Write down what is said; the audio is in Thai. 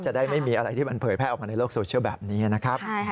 จะได้ไม่มีอะไรที่มันเผยแพร่ออกมาในโลกโซเชียลแบบนี้นะครับ